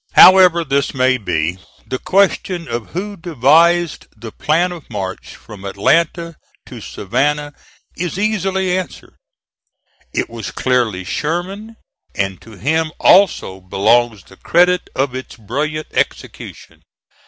However this may be, the question of who devised the plan of march from Atlanta to Savannah is easily answered: it was clearly Sherman, and to him also belongs the credit of its brilliant execution.